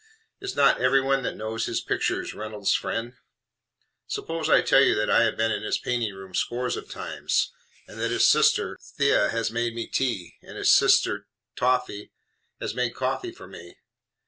"Is not everyone that knows his pictures Reynolds's friend? Suppose I tell you that I have been in his painting room scores of times, and that his sister The has made me tea, and his sister Toffy has made coffee for me?